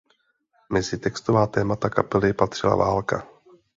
Mezi textová témata kapely patřila válka.